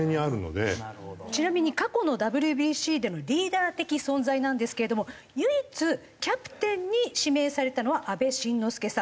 ちなみに過去のＷＢＣでのリーダー的存在なんですけれども唯一キャプテンに指名されたのは阿部慎之助さん。